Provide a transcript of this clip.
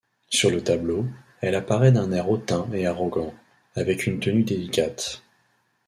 Sur le tableau, elle apparaît d'un air hautain et arrogant, avec une tenue délicate.